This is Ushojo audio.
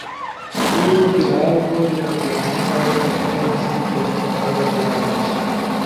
تو فی الحال گول یاد دہانی کارا ای میل حاصل تھونو کارا تیار نیِش،